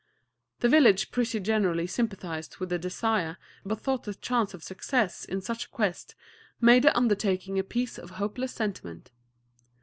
The village pretty generally sympathized with the desire, but thought the chance of success in such a quest made the undertaking a piece of hopeless sentiment.